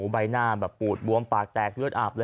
ใบหน้าแบบปูดบวมปากแตกเลือดอาบเลย